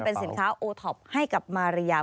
เป็นสินค้าโอท็อปให้กับมาริยา